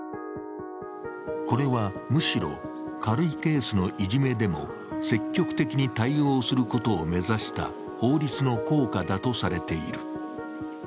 これは、むしろ軽いケースのいじめでも積極的に対応することを目指した法律の効果だとされている。